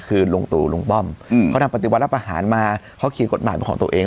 คือลุงตู่ลุงป้อมเขาทำปฏิวัติรับอาหารมาเขาเขียนกฎหมายเป็นของตัวเอง